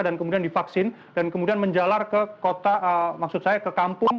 dan kemudian divaksin dan kemudian menjelar ke kota maksud saya ke kampung